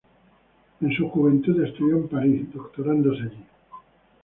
En su juventud estudió en París, doctorándose allí.